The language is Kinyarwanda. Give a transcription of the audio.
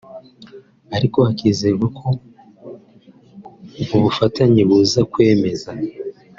ariko hakizerwa ko ubwo bufatanye buzakmeza